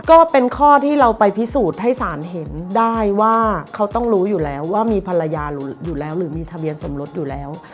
ก็เป็นข้อที่เราไปพิสูจน์ให้สารเห็นได้ว่าเขาต้องรู้อยู่แล้วว่ามีภรรยาอยู่แล้วหรือมีทะเบียนสมรสอยู่แล้ว